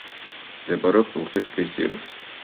მდებარეობს ურთის მთის ძირას.